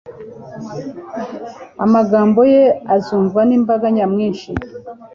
amagambo ye azumvwa nimbaga nyamwinshi